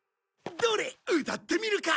どれ歌ってみるか。